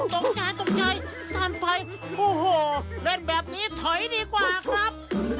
ตกใจตกใจสั่นไปโอ้โหเล่นแบบนี้ถอยดีกว่าครับ